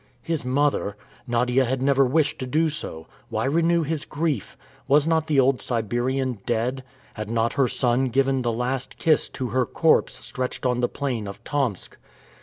His mother! Nadia had never wished to do so. Why renew his grief? Was not the old Siberian dead? Had not her son given the last kiss to her corpse stretched on the plain of Tomsk?